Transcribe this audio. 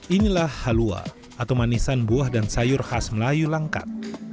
inilah halua atau manisan buah dan sayur khas melayu langkat